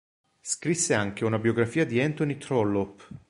Scrisse anche una biografica di Anthony Trollope.